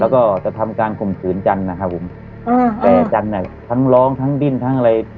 แล้วก็จะทำการคุมขืนจันนะครับผมอ้าวอ้าวแต่จันเนี้ยทั้งร้องทั้งดิ้นทั้งอะไร